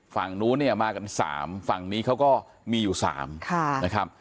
ฝั่งนู้นเนี่ยมากัน๓ฝั่งนี้เขาก็มีอยู่๓นะครับ